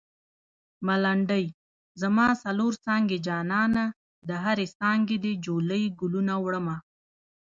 ملنډۍ: زما څلور څانګې جانانه د هرې څانګې دې جولۍ ګلونه وړمه